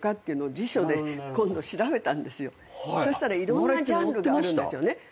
そしたらいろんなジャンルがあるんですよね。